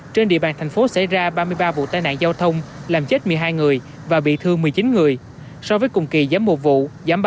trên địa bàn thành phố xảy ra ba mươi ba vụ tai nạn giao thông làm chết một mươi hai người và bị thương một mươi chín người so với cùng kỳ giảm mùa vụ giảm ba mươi